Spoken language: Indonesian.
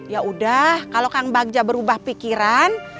ya udah kalau kang bagja berubah pikiran